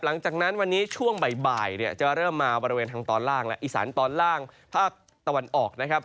หลังจากนั้นวันนี้ช่วงบ่ายจะเริ่มมาบริเวณทางตอนล่างและอีสานตอนล่างภาคตะวันออกนะครับ